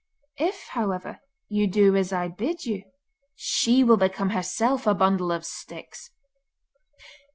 If, however, you do as I bid you, she will become herself a bundle of sticks.